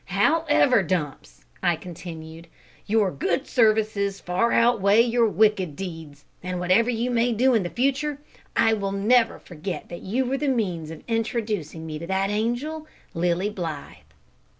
"However, Dumps," I continued, "your good services far outweigh your wicked deeds, and whatever you may do in the future, I will never forget that you were the means of introducing me to that angel, Lilly Blythe."